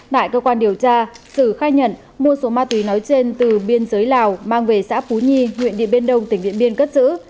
tại cơ quan điều tra sử khai nhận mua số ma túy nói trên từ biên giới lào mang về xã phú nhi huyện điện biên đông tỉnh điện biên cất giữ